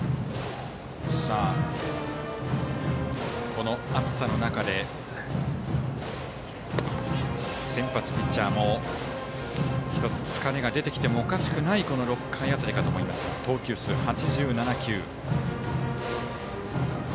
この暑さの中で先発ピッチャーも１つ疲れが出てきてもおかしくない６回辺りかと思いますが投球数、８７球。